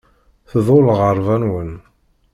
Tḍul lɣerba-nwen.